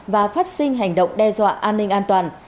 và phát sinh hành động đe dọa an ninh an toàn